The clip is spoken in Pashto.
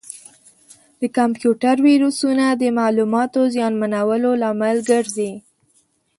د کمپیوټر ویروسونه د معلوماتو زیانمنولو لامل ګرځي.